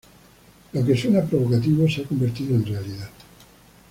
Lo que suena provocativo se ha convertido en realidad.